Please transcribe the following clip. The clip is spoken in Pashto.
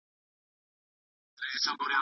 نړۍ بدرنګه خلک